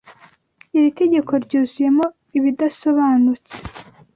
Iri tegeko ryuzuyemo ibidasobanutse.